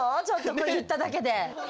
ちょっとこれ言っただけで。